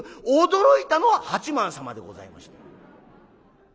驚いたのは八幡様でございまして。